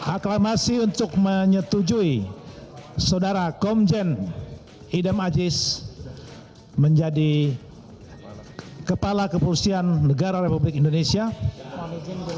aklamasi untuk menyetujui saudara komjen idam aziz menjadi kepala kepulsian rakyat